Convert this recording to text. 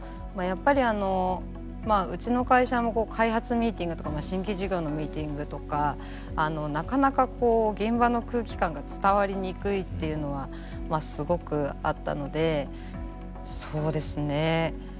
やっぱりあのうちの会社も開発ミーティングとか新規事業のミーティングとかなかなかこう現場の空気感が伝わりにくいっていうのはすごくあったのでそうですね